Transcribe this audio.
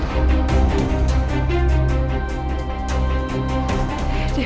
kau tak bisa mencari aku